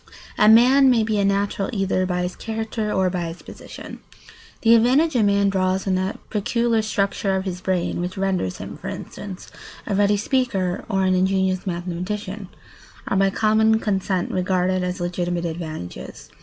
A man may be a natural either by his character or by his position. The advantages a man draws from that peculiar structure of his brain which renders him, for instance, a ready speaker or an ingenious mathematician, are by common consent regarded as legitimate advantages.